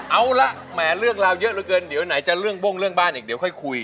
เอาละแหมเรื่องราวเยอะเหลือเกินเดี๋ยวไหนจะเรื่องบ้งเรื่องบ้านอีกเดี๋ยวค่อยคุย